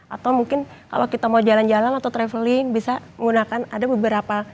atau mungkin kalau kita mau jalan jalan atau traveling bisa menggunakan ada beberapa